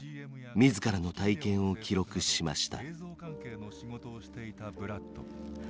自らの体験を記録しました。